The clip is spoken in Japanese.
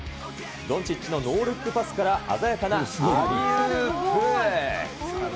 ドンチッチのノールックパスから鮮やかなアリウープ。